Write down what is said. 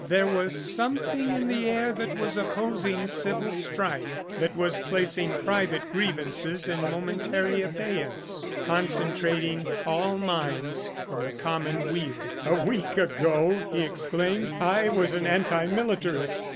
There was something in the air that was opposing civil strife, that was placing private grievances in momentary abeyance, concentrating all minds on the common weal. "A week ago," he exclaimed, "I was an anti militarist!